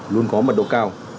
luôn có mặt độ cao